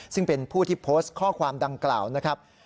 ซึ่งเป็นผู้ที่โพสต์ข้อความดังกล่าวนะครับ